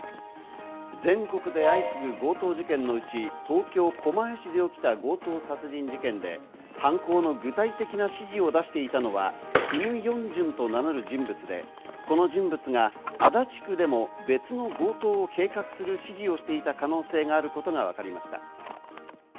全国で相次ぐ強盗事件のうち、東京・狛江市で起きた強盗殺人事件で、犯行の具体的な指示を出していたのはキム・ヨンジュンと名乗る人物で、この人物が足立区でも別の強盗を計画する指示をしていた可能性があることがわかりました。